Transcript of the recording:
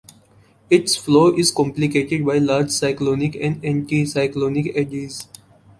Its flow is complicated by large cyclonic and anticyclonic eddies.